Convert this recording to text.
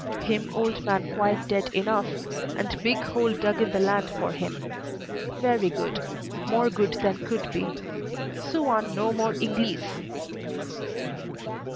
"Him old man quite dead enough, and big hole dug in the land for him. Very good; more good than could be. Suan no more Inglese."